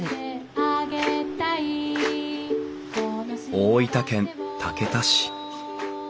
大分県竹田市。